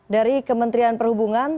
dari kementerian perhubungan